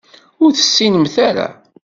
Ur tessinemt ara.